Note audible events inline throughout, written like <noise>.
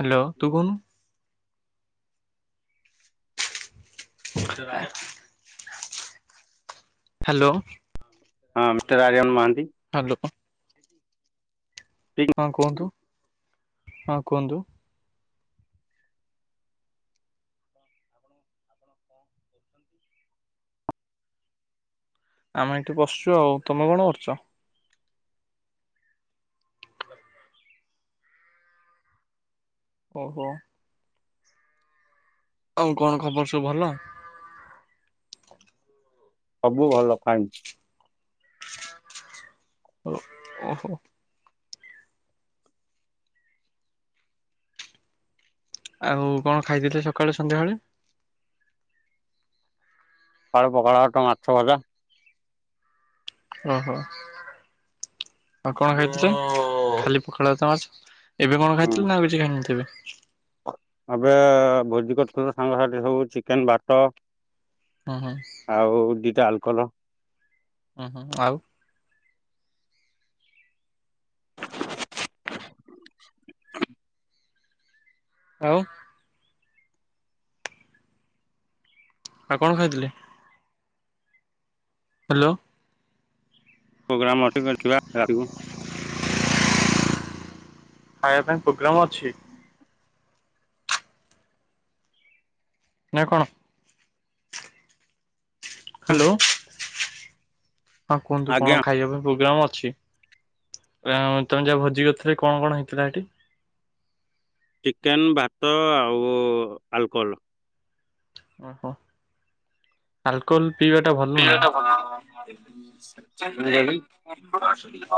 Hello ତୁ କହୁନୁ। <inaudible> Hello. ହଁ ମିଷ୍ଟର୍ ଆରିଅନ ମହାନ୍ତି। ହ୍ୟାଲୋ। ହଁ କୁହନ୍ତୁ ହଁ କୁହନ୍ତୁ। ଆମେ ଏଠି ବସୁଛୁ ଆଉ ତମେ କଣ କରୁଛ? ଓହୋ। ଆଉ କଣ ଖବର ସବୁ ଭଲ। ସବୁ ଭଲ କ ଓ ଓହୋ। ଆଉ କଣ ଖାଇଦଥିଲେ ସକାଳେ ସନ୍ଧ୍ୟାବେଳେ। ପଖାଳଭାତ ମାାଛଭଜା। ଓହୋ ଆଉ କଣ ଖାଇଥିଲ ଖାଲି ପଖାଳଭାତ ମାଛ। ଏବେ କଣ ହୁଁ ଖାଇଥିଲେ ନ ଏବେ କିଛି ଖାଇନଥିଲି? ଏବେ ଭୋଜି କରିଥିଲୁ ସାଙ୍ଗସାଥି ସବୁ ଚିକେନ ଭାତ ହୁଁ ହୁଁ ଆଉ ଦିଟା ଆଲକଲ। ହୁଁ ହୁଁ ଆଉ? <inaudible> ଆଉ ଆଉ କଣ ଖାଇଥିଲେ? ହ୍ୟାଲୋ। ପ୍ରୋଗ୍ରାମ ଅଟଥିବା <unintelligible> ଖାଇବା ପାଇଁ ପ୍ରୋଗ୍ରାମ୍ ଅଛି। ନା କ'ଣ? ହ୍ୟାଲୋ। ହଁ କୁହନ୍ତୁ ଆଜ୍ଞା କ'ଣ ଖାଇବା ପାଇଁ ପ୍ରୋଗ୍ରାମ୍ ଅ ଛି। ଅଁ ତମେ ଯାହା ଭୋଜି କରିଥିଲ କ'ଣ କ'ଣ ହେଇଥିଲା ଏଠି? ଚିକେନ୍, ଭାତ ଆଉ ଆଲକୋହଲ୍। ଓ ହୋ ଆଲକୋହଲ୍। <unintelligible> କ'ଣ ସୁବୁନି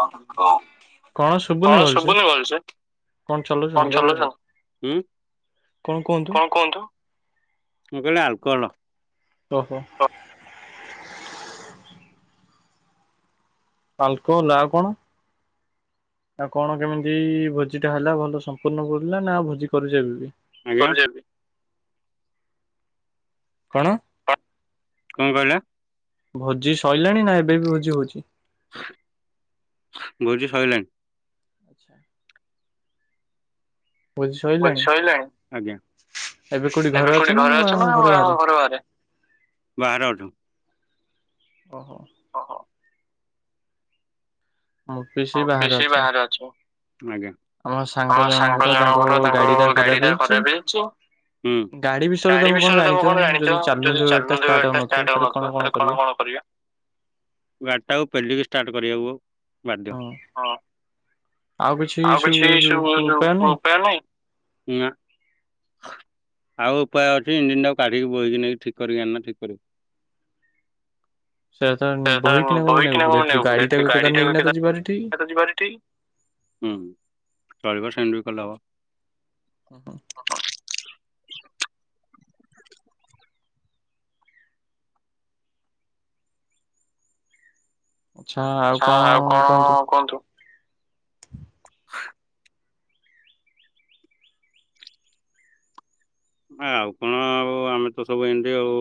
କଣ ଭଲସେ? ଶୁଭୁନି ଭଲସେ କ'ଣ କଣ ଚଲଉଛନ୍ତି କି ଚଲୁଛ୍? ହୁଁ? କ'ଣ କୁହନ୍ତୁ? ମୁଁ କହିଲି ଆଲକୋହଲ୍। ଓ ହୋ। ଆଲକୋହଲ ଆଉ କ'ଣ? ଆଉ କ'ଣ କେମିତି ଭୋଜି ଟା ହେଲା ଭଲ ସମ୍ପୂର୍ଣ୍ଣ ପୁଡିଲା ନା ଆଉ ଭୋଜି କରିଚାଲିଲେ। ଆଜ୍ଞା? କ'ଣ? କ'ଣ କହିଲେ? ଭୋଜି ସଇଲାଣି ନା ଏବେ ବି ଭୋଜି ହଉଛି? ଭୋଜି ସଇଲାଣି। ଆଚ୍ଛା। ଭୋଜି ସଇଲାଣି ଏବେ କୋଉଠି ଘରେ ଅଛ ନା ଘର ବାହାରେ? <inaudible> ବାହାରେ ଅଛୁ। ଓ ହୋ। ଓ ହୋ। ମୁଁ ବି ସେଇ ବାହାରେ ଅଛି। ଆଜ୍ଞା। ଆମ ସାଙ୍ଗ ଜଣଙ୍କର ତାଙ୍କ ଗାଡି ଟା ଖରାପ୍ ହେଇଛି। ହୁଁ। ଗାଡି ବିଷୟରେ ତମେ କ'ଣ ଜାଣିଛ? ଯଦି ଚାଲୁନଥିବ ଗାଡି ଟା ଷ୍ଟାର୍ଟ ହଉନଥିବ ତାହେଲେ କ'ଣ କ'ଣ କରିବା? <inaudible> ଗାଡ଼ିଟାକୁ ପେଲିକି ଷ୍ଟାର୍ଟ କରିବାକୁ ବାଧ୍ୟ। ହୁଁ ହଁ। ଆଉ କିଛି ଇସ୍ୟୁ ଉପାୟ ନାହିଁ? ନାଁ। ଆଉ ଉପାୟ ଅଛି ଇଞ୍ଜିିନ ଟାକୁ କାଢିକି ବୋହିକି ନେଇକି ଠିକ୍ କରିକି ଆଣନା ଠିକ୍ କରିବ। ସେ ଟା ସେଟା ବହି କିନା କ'ଣ ନେବୁ ବେଟ୍ରି ଗାଡିଟାକୁ କିଏ ତାର ନେଇକିନା ତ ଯିବ୍ ଆରେ ତୋର ଯିବାର ଏଠି। ହୁଁ, ଚଳିବ ସେମିତି କଲେ ହବ। ହଁ ହୁଁ। <inaudible> ଆଚ୍ଛା, ଆଉ କ'ଣ କୁହନ୍ତୁ? ହଁ। ଆଉ କ'ଣ ଆଉ ଆମେ ତ ସବୁ ଏମିତି ଆଉ।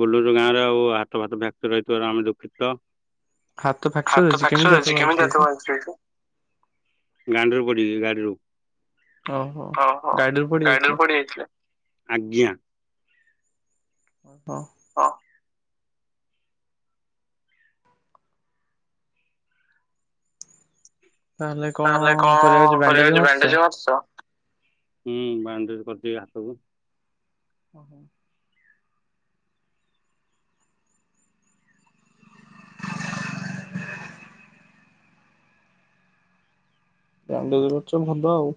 ବୁଲୁଛୁ ଗାଁରେ ଆଉ ହାତ ଫାତ ଫ୍ୟାକ୍ଚର ହେଇଥିବାରୁ ଆମେ ଦୁଃଖିତ। ହାତ ଫ୍ରାକ୍ଚର ହାତ କେମିତି ଫ୍ୟାକ୍ଚର ହାତ ହେଇଛି କି, ଫ୍ରାକ୍ଚର କେମିତି ହାତ ହେଇଛି ଫ୍ୟାକ୍ଚର ହେଇଛି? ଗାଣ୍ଡିରୁ ପଡ଼ିଲି ଗାଡ଼ିରୁ ଓହୋ ଗାଡିରୁ ପଡି ଗାଡ଼ିରୁ ଯାଇଥିଲେ ପଡ଼ି ଯାଇଥିଲା। ଆଜ୍ଞା। ହଁ। ହଁ। ତାହେଲେ କ'ଣ କରିବାର ଯିବା ବ୍ୟାଣ୍ଡେଜ୍ ମାରୁଛ? ହୁଁ, ବାଣ୍ଡେଜ୍ କରିଛି ହାତକୁ। ଓ ହୋ। ବ୍ୟାଣ୍ଡେଜ କରିଛ ଭଲ ଆଉ।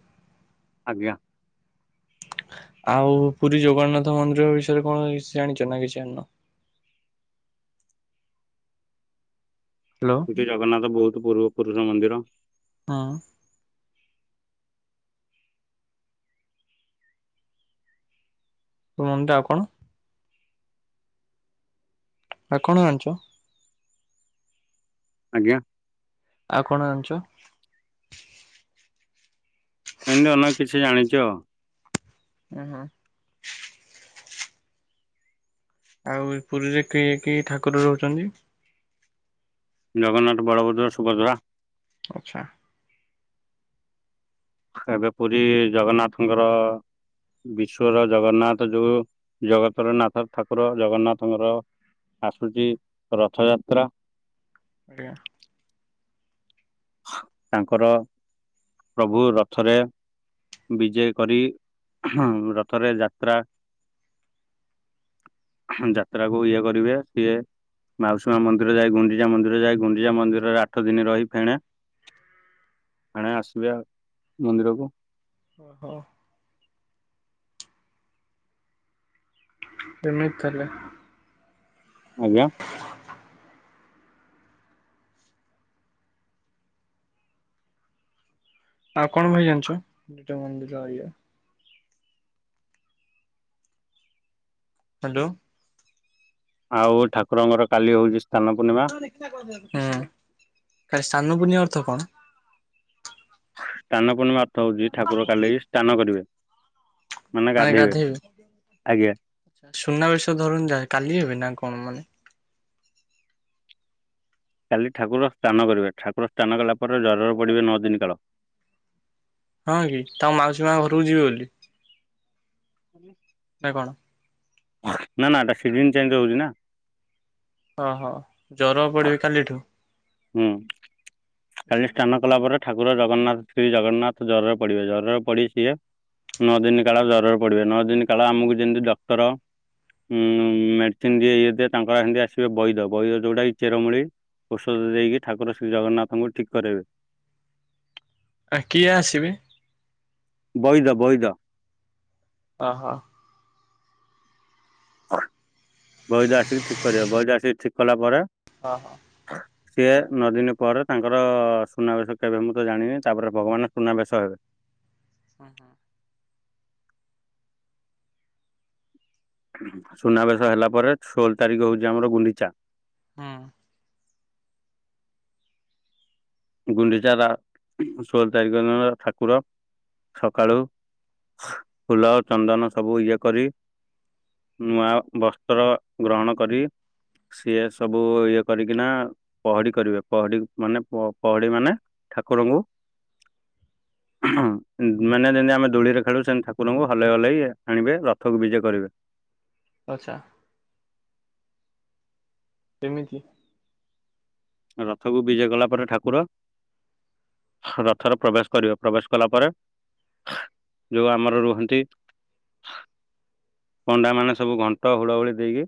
ଆଜ୍ଞା। <inaudible> ଆଉ ପୁରୀ ଜଗନ୍ନାଥ ମନ୍ଦିର ବିଷୟରେ କଣ କିଛି ଜାଣିଛ ନା କିଛି ଜାଣିନ। ହ୍ୟାଲୋ ଜଗନ୍ନାଥ ବହୁତ ପୂର୍ବ ପୁରୁଷ ମନ୍ଦିର। ହଁ। <unintelligible> କଣ ଆଉ କଣ ଜାଣିଚ? ଆଜ୍ଞା। ଆଉ କଣ ଜାଣିଚ? ଏମିତି ଅନେକ କିଛି ଜାଣିଚି ଆଉ। ଓ ହୋ। ଆଉ ପୁରୀରେ କିଏ କିଏ ଠାକୁର ରହୁଛନ୍ତି? ଜଗନ୍ନାଥ ବଳଭଦ୍ର ସୁଭଦ୍ରା। ଆଚ୍ଛା। ଏବେ ପୁରୀ ଜଗନ୍ନାଥଙ୍କର ବିଶ୍ଵର ଜଗନ୍ନାଥ ଯୋଉ ଜଗତର ନାଥ ଠାକୁର ଜଗନ୍ନାଥଙ୍କର ଆସୁଛି ରଥଯାତ୍ରା। ଆଜ୍ଞା। ତାଙ୍କର ପ୍ରଭୁ ରଥରେ ବିଜେ କରି ହୁଁ ରଥରେ ଯାତ୍ରା ଯାତ୍ରା କୁ ଇଏ କରିବେ ସିଏ। ମାଉସୀମା ମନ୍ଦିର ଯାଏ ଗୁଣ୍ଡିଜା ମନ୍ଦିର ଯାଏ ଗୁଣ୍ଡିଚା ମନ୍ଦିରରେ ଆଠ ଦିନ ରହି ଫେଣେ ଆଣେ ଆସିବା ମନ୍ଦିରକୁ। ଓ ହୋ। ଏମିିତି ତାଲେ ଆଜ୍ଞା। ଆଉ କଣ ଭାଇ ଜାଣିଛ <unintelligible> ଦିଟା ମନ୍ଦିର ଇଏ। ହ୍ୟାଲୋ। ଆଉ ଠାକୁରଙ୍କର କାଲି ହଉଛି ସ୍ନାନ ପୂର୍ଣ୍ଣିମା ହୁଁ କାଲି ସ୍ନାନ ପୁର୍ଣିମା ଅର୍ଥ କଣ? ସ୍ନାନ ପୁର୍ଣିମା ଅର୍ଥ ହଉଛି ଠାକୁର କାଲି ସ୍ନାନ କରିବେ। ମାନେ ଗାଧେଇବେ, ଆଜ୍ଞା ସୁନାବେଷ ଧରୁନି ଯା କାଲି ହେବି ନା। କଣ ମାନେ? କାଲି ଠାକୁର ସ୍ନାନ କରିବେ ଠାକୁର ସ୍ନାନ କଲା ପରେ ଜର ରେ ପଡ଼ିବେ ନଅ ଦିନ କାଳ। ହଁ କି ତାଙ୍କ ମାଉସୀ ମା ଘରକୁ ଯିବେ ବୋଲି। ଆ ନା କଣ? ନା ନା ଏଟା ସିଜିନ ଚେଞ୍ଜ ହଉଛି ନା। ଓହୋ ଜର ପଡ଼ିବେ କାଲିଠୁ। ହୁଁ କାଲି ସ୍ନାନ କଲା ପରେ। ଠାକୁର ଜଗନ୍ନାଥ ଶ୍ରୀ ଜଗନ୍ନାଥ ଜ୍ୱରରେ ପଡିବେ ଜ୍ୱରରେ ପଡି ସିଏ ନଅ ଦିନ କାଳ ଜରରେ ପଡିବେ ନଅ ଦିନ କାଳ ଆମକୁ ଯେମିତି ଡକ୍ଟର ଉଁ ମେଡିସିନ ଦିଏ ଇଏ ଦିଏ ତାଙ୍କର ସେମିତି ଆସିବେ ବୈଦ ବୈଦ ଯୋଉଟା କି ଚେରମୂଳି ଔଷଧ ଦେଇକି ଠାକୁର ଶ୍ରୀ ଜଗନ୍ନାଥଙ୍କୁ ଠିକ କରାଇବେ। ଆ କିଏ ଆସିବେ? ବୈଦ ବୈଦ। ଓ ହୋ। ବୈଦ ଆସିକି ଠିକ୍ କରିବେ ବୈଦ ଆସିକି ଠିକ୍ କଲା ପରେ ହଁ ହଁ। ସିଏ ନଅ ଦିନ ପରେ ତାଙ୍କର ସୁନାବେଶ କେବେ ମୁଁ ତ ଜାଣିନି ତାପରେ ଭଗବାନ ସୁନାବେଶ ହେବେ। ହୁଁ ହୁଁ। ସୁନାବେଶ ହେଲା ପରେ ଷୋହଳ ତାରିଖ ହୋଉଚି ଆମର ଗୁଣ୍ଡିଚା। ହୁଁ। ଗୁଣ୍ଡିଚା ବା ଷୋହଳ ତାରିଖ ଦିନ ଠାକୁର ସକାଳୁ ଫୁଲ ଚନ୍ଦନ ସବୁ ଇଏ କରି ନୂଆ ବସ୍ତ୍ର ଗ୍ରହଣ କରି ସିଏ ସବୁ ଇଏ କରିକିନା ପହଡି କରିବେ ପହଡି ମାନେ ପ ପହଡ଼ି ମାନେ ଠାକୁରଙ୍କୁ ମାନେ ଯେମିତି ଆମେ ଦୋଳିରେ ଖେଳୁ ସେମିତି ଠାକୁରଙ୍କୁ ହଲେଇ ହଲେଇ ଆଣିବେ ରଥକୁ ବିଜେ କରିବେ। ଆଛା। କେମିତି? ରଥକୁ ବିଜେ କଲା ପରେ ଠାକୁର ରଥରେ ପ୍ରବେଶ କରିବ ପ୍ରବେଶ କଲା ପରେ ଯୋଉ ଆମର ରୁହନ୍ତି ପଣ୍ଡା ମାନେ ସବୁ ଘଣ୍ଟ ହୁଳ ହୁଳି ଦେଇକି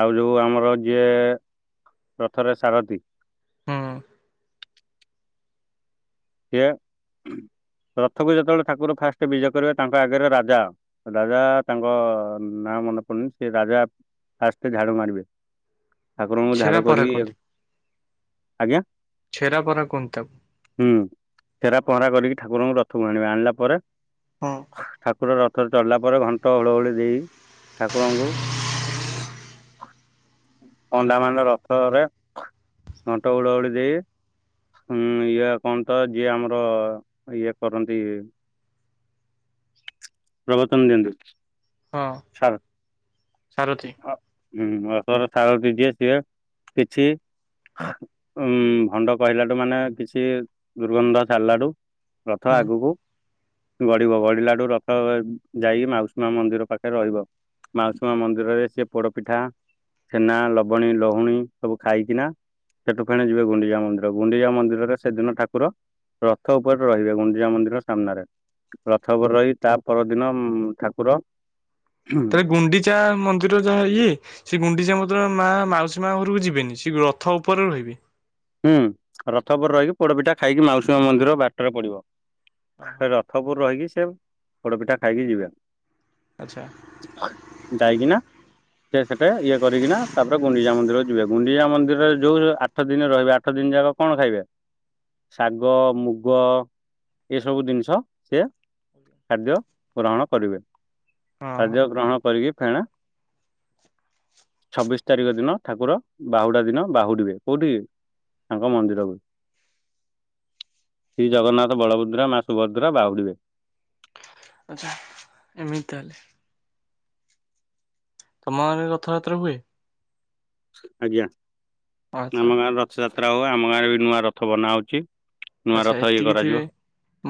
ଆଉ ଯୋଉ ଆମର ଯିଏ ରଥରେ ସାରଥି ହୁଁ। ସିଏ ରଥକୁ ଯେତେବେଳେ ଠାକୁର ଫାଷ୍ଟ ବିଜେ କର ତାଙ୍କ ଆଗରେ ରାଜା ରାଜା ତାଙ୍କ ନାଁ ମନେ ପଡୁନି ସେ ରାଜା ଫାଷ୍ଟ ଝାଡୁ ମାରିବେ ଠାକୁରଙ୍କୁ ଛେରା ଝାଡୁ ପହଁରା କରି କୁହନ୍ତି ଆଜ୍ଞା? ଛେରା ପହରା କୁହନ୍ତି ତାକୁ ହୁଁ ଛେରା ପହଁରା କରିକି ଠାକୁରଙ୍କୁ ରଥକୁ ଆଣିବା ଆଣିଲା ପରେ ହଁ ଠାକୁର ରଥ ଥର ଚରିଲା ପରେ ଘଣ୍ଟ ହୁଳ ହୁଳି ଦେଇ ଠାକୁରଙ୍କୁ ବ ଅଣ୍ଡା ମାଣ୍ଡା ରଥରେ ଅଣ୍ଟ ହୁଳହୁଳି ଦେଇ ହୁଁ ଇଏ କଣ ତ ଯିଏ ଆମର ଇଏ କରନ୍ତି ପ୍ରବଚନ ଦିଅନ୍ତି ହଁ ସାର ସାରଥିୀ ହୁଁ ରଥର ସାରଥି ଯିଏ ସିଏ କିଛି ଉଁ ଭଣ୍ଡ କହିଲାଠୁ ମାନେ କିଛି ଦୁର୍ଗନ୍ଧ ସାରିଲାଠୁ ରଥ ହୁଁ ଆଗକୁ ଗଢିବ ଗଢିଲାଠୁ ର ଥ ଯାଇକି ମାଉସୀ ମା ମନ୍ଦିର ପାଖରେ ରହିବ ମାଉସୀ ମା ମନ୍ଦିରରେ ସିଏ ପୋଡପିଠା ଛେନା ଲବଣୀ ଲହୁଣୀ ସବୁ ଖାଇକିନା ସେଠୁ ଫେଣି ଯିବେ ଗୁଣ୍ଡିଜା ମନ୍ଦିର ଗୁଣ୍ଡିଜା ମନ୍ଦିରରେ ସେଦିନ ଠାକୁର ରଥ ଉପରେ ରହିବେ ଗୁଣ୍ଡିଚା ମନ୍ଦିର ସାମ୍ନାରେ ରଥ ଉପରେ ରହି ତା ପରଦିନ ଠାକୁର ତାେଲେ ଗୁଣ୍ଡିଚା ମନ୍ଦିର ଯାହା ଇଏ ସେ ଗୁଣ୍ଡିଚା ମ ମା ମାଉସୀ ମା ଘରକୁ ଯିବେନି ସେ ରଥ ଉପରେ ରହିବେ ହୁଁ ରଥ ଉପରେ ରହିକି ପୋଡପିଠା ଖାଇକି ମାଉସୀ ମା ମନ୍ଦିର ବାଟରେ ପଡିବ। ଓହୋ ରଥପୁର ରହିକି ସେ ପୋଡ ପିଠା ଖାଇକି ଯିବେ। ଆଛା। ଯାଇକିନା ସେ ସେଠା ଇଏ କରିକିନା ତାପରେ ଗୁଣ୍ଡିଚା ମନ୍ଦିର ଯିବେ ଗୁଣ୍ଡି ଇଣ୍ଡିଚା ମନ୍ଦିରରେ ଯୋଉ ଆଠ ଦିନ ରହିବେ ଆଠ ଦିନ ଯାକ କଣ ଖାଇବେ? ଶାଗ ମୁଗ ଏସବୁ ଜିନିଷ ସିଏ ହଁ ଖାଦ୍ୟ ଗ୍ରହଣ କରିବେ। ହଁ ଖାଦ୍ୟ ଗ୍ରହଣ କରିକି ଫେଣେ ଛବିଶି ତାରିଖ ଦିନ ଠାକୁର ବାହୁଡା ଦିନ ବାହୁଡିବେ କୋଉଠି କି? ତାଙ୍କ ମନ୍ଦିରକୁ। ଶ୍ରୀ ଜଗନ୍ନାଥ ବଳଭଦ୍ରା ମା ସୁଭଦ୍ରା ବାହୁଡ଼ିବେ। ଆଚ୍ଛା ଏମିତି ତାହେଲେ। ତମ ଗାଁରେ ରଥଯାତ୍ରା ହୁଏ। ଆଜ୍ଞା ଆଚ୍ଛା ଆମ ଗାଁରେ ରଥଯାତ୍ରା ହୁଏ। ଆମ ଗାଁରେ ବି ନୂଆ ରଥ ବନାହଉଛି। ଆଚ୍ଛା ଏତିକି ଥିବେ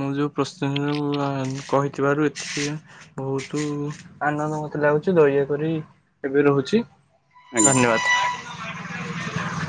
ମୁଁ ଯୋଉ ପ୍ରଶ୍ନ କହି ଥିବାରୁ ଏତିକି ବହୁତ ଆନନ୍ଦ ମତେ ଲାଗୁଛି ଦୟାକରି ଏବେ ରହୁଛି। ଆଜ୍ଞା ଧନ୍ୟବାଦ।